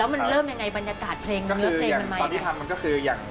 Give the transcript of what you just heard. แล้วมันเริ่มอย่างไรบรรยากาศเพลงตอนที่ทำ